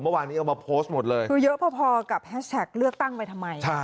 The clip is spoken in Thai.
เมื่อวานนี้เอามาโพสต์หมดเลยคือเยอะพอพอกับแฮชแท็กเลือกตั้งไปทำไม